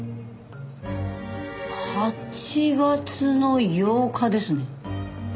８月の８日ですね。